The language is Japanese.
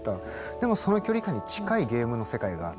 でもその距離感に近いゲームの世界があって。